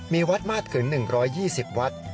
มีวัดมากถึง๑๒๐วัด